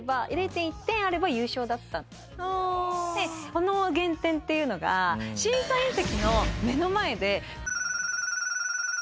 この減点っていうのが審査員席の目の前で。